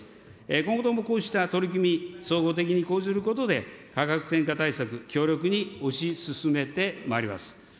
今後ともこうした取り組み、総合的に講ずることで、価格転嫁対策、強力に推し進めてまいります。